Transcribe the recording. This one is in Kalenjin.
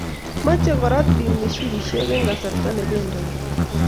mache korat piik mshipishek eng kasarta ne pendoti